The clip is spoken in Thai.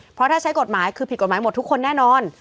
เพราะถ้าใช้กฎหมายคือผิดกฎหมายหมดทุกคนแน่นอน